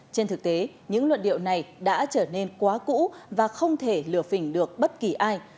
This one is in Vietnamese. trên thực tế những luận điệu này đã trở nên quá cũ và không thể lừa phỉnh được bất thường